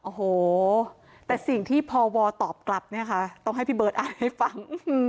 โอ้โหแต่สิ่งที่พอวอร์ตอบกลับต้องให้พี่เบิร์ดอ่านให้ฟัง